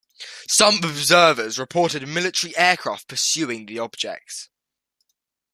Some observers reported military aircraft pursuing the objects.